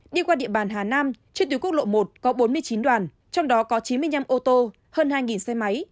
đi qua địa bàn hà nam trên tuyến quốc lộ một có bốn mươi chín đoàn trong đó có chín mươi năm ô tô hơn hai xe máy